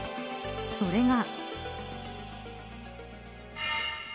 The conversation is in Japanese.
それが。